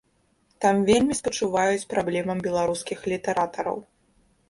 Там вельмі спачуваюць праблемам беларускіх літаратараў.